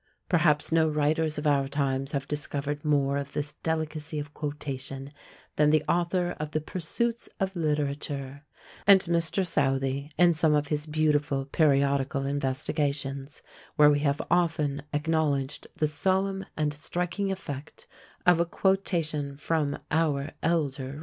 Perhaps no writers of our times have discovered more of this delicacy of quotation than the author of the "Pursuits of Literature;" and Mr. Southey, in some of his beautiful periodical investigations, where we have often acknowledged the solemn and striking effect of a quotation from our elder writers.